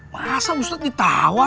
masa ustadz ditawar